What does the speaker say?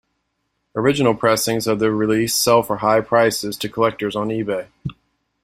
Original pressings of the release sell for high prices to collectors on eBay.